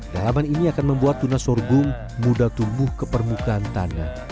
dalaman ini akan membuat tuna sorghum mudah tumbuh ke permukaan tanah